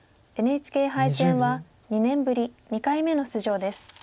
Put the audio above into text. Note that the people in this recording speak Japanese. ＮＨＫ杯戦は２年ぶり２回目の出場です。